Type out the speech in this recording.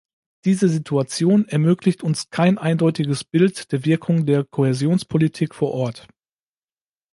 Diese Situation ermöglicht uns kein eindeutiges Bild der Wirkung der Kohäsionspolitik vor Ort.